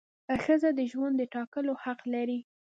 ښځه د ژوند د ټاکلو حق لري.